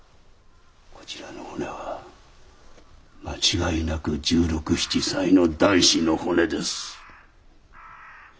こちらの骨は間違いなく１６１７歳の男子の骨です。